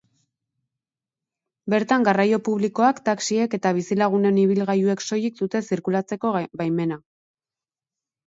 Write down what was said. Bertan garraio publikoak, taxiek eta bizilagunen ibilgailuek soilik dute zirkulatzeko baimena.